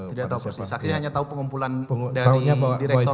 tidak tahu persis saksi hanya tahu pengumpulan dari direktorat direktorat ya